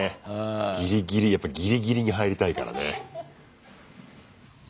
ギリギリやっぱギリギリに入りたいからね。